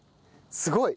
すごい！